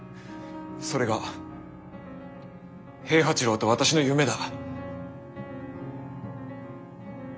それが平八郎と私の夢だ。